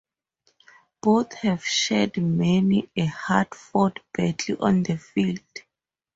Both have shared many a hard fought battle on the field.